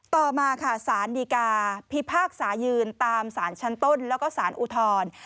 ต่อมาค่ะสารดีกาพิพากษายืนตามสารชั้นต้นแล้วก็สารอุทธร